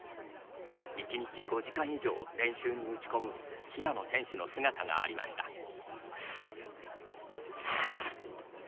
１日５時間以上、練習に打ち込む平野選手の姿がありました。